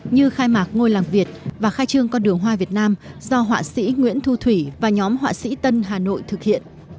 như khai mạc ngôi làng việt và khai trương con đường hoa việt nam do họa sĩ nguyễn thu thủy và nhóm họa sĩ tân hà nội thực hiện